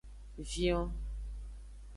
Vion.